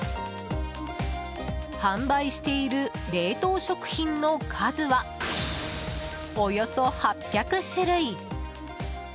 販売している冷凍食品の数はおよそ８００種類。